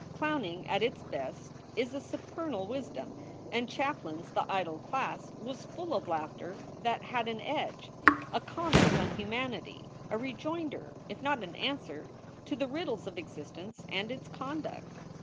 Clown ing at its best is a supernal wisdom, and Chaplin s "The Idle Class" was full of laughter that had an edge a com ment on humanity, a rejoinder, if not an answer, to the riddles of existence and its conduct.